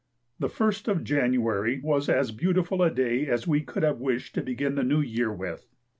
The 1st of January was as beautiful a day as we could have wished to begin the new year with.